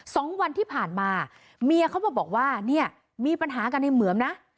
สองวันที่ผ่านมาเมียเขามาบอกว่าเนี่ยมีปัญหากันในเหมืองนะ